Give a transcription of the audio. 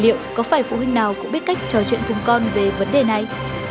liệu có phải phụ huynh nào cũng biết cách trò chuyện cùng con về vấn đề này